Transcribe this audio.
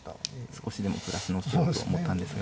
少しでもプラスの手をと思ったんですが。